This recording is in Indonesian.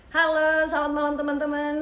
halo selamat malam teman teman